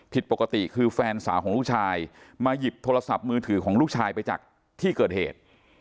ผิดปกติคือแฟนสาวของลูกชายมาหยิบโทรศัพท์มือถือของลูกชายไปจากที่เกิดเหตุ